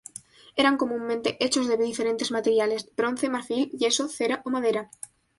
Eran comúnmente hechos de diferentes materiales: bronce, marfil, yeso, cera o madera.